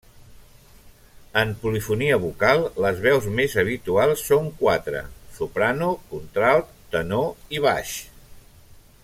En polifonia vocal les veus més habituals són quatre: soprano, contralt, tenor i baix.